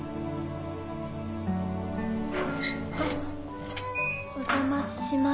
あお邪魔します。